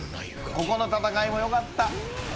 ここの戦いもよかった。